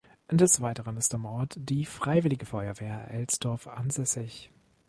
Des Weiteren ist im Ort die Freiwillige Feuerwehr Elsdorf ansässig.